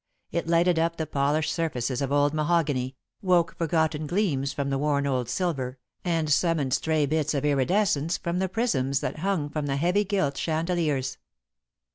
It lighted up the polished surfaces of old mahogany, woke forgotten gleams from the worn old silver, and summoned stray bits of iridescence from the prisms that hung from the heavy gilt chandeliers.